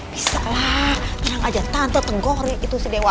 bisa lah tenang aja tante tenggori itu si dewa